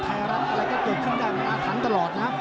เข้าเองโดยเฉพาะเลยน่ะ